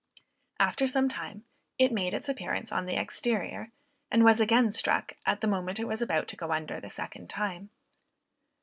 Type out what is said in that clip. After some time it made its appearance on the exterior, and was again struck, at the moment it was about to go under the second time.